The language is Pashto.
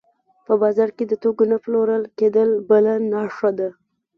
په بازار کې د توکو نه پلورل کېدل بله نښه ده